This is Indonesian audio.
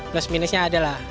plus minusnya ada lah